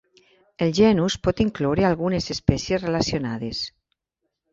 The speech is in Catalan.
El genus pot incloure algunes espècies relacionades.